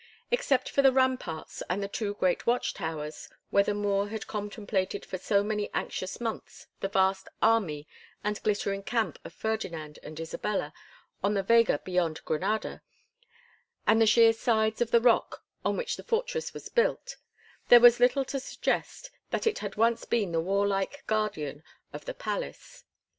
Except for the ramparts and the two great watch towers where the Moor had contemplated for so many anxious months the vast army and glittering camp of Ferdinand and Isabella on the vega beyond Granada, and the sheer sides of the rock on which the fortress was built, there was little to suggest that it had once been the warlike guardian of the palace.